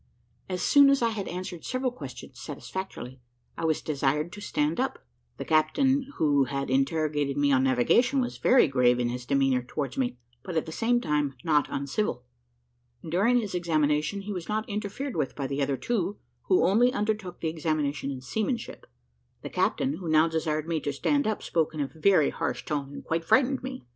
As soon as I had answered several questions satisfactorily, I was desired to stand up. The captain who had interrogated me on navigation, was very grave in his demeanour towards me, but at the same time not uncivil. During his examination, he was not interfered with by the other two, who only undertook the examination in "seamanship." The captain, who now desired me to stand up, spoke in a very harsh tone, and quite frightened me.